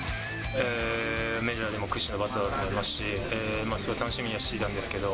メジャーでも屈指のバッターだと思いますし、すごい楽しみにしてたんですけど、